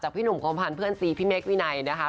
พี่หนุ่มโคมพันธ์เพื่อนซีพี่เมฆวินัยนะคะ